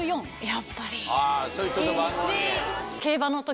やっぱり。